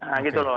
nah gitu loh